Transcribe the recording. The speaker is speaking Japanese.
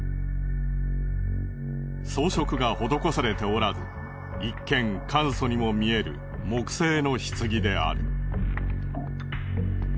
装飾が施されておらず一見簡素にも見える木製の棺である。